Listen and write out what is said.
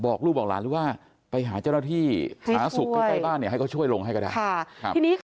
บอกลูกบอกหลานว่าไปหาเจ้าหน้าที่หาศุกร์ใกล้บ้านให้เขาช่วยลงให้ก็ได้